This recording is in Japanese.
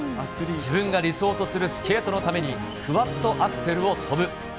自分が理想とするスケートのために、クワッドアクセルを跳ぶ。